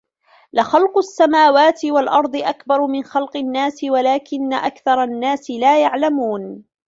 لَخَلقُ السَّماواتِ وَالأَرضِ أَكبَرُ مِن خَلقِ النّاسِ وَلكِنَّ أَكثَرَ النّاسِ لا يَعلَمونَ